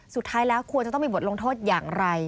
สุดท้ายแล้วควรจะต้องมีบทลงโทษอย่างไร